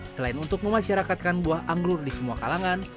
selain untuk memasyarakatkan buah anggur di semua kalangan